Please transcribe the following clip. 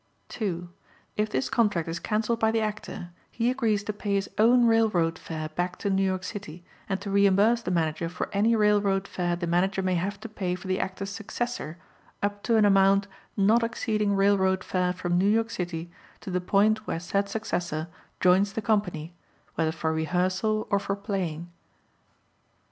(2) If this contract is cancelled by the Actor, he agrees to pay his own railroad fare back to New York City and to reimburse the Manager for any railroad fare the Manager may have to pay for the Actor's successor up to an amount not exceeding railroad fare from New York City to the point where said successor joins the company, whether for rehearsal or for playing.